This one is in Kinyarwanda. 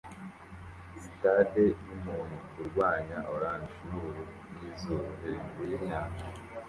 Sitade yumuntu urwanya orange nubururu bwizuba hejuru yinyanja